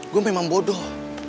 gua memang bodoh